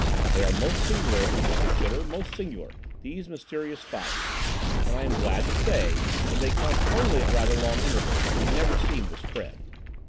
They are most singular, I consider, most singular, these mysterious fires, and I am glad to say that they come only at rather long intervals and never seem to spread.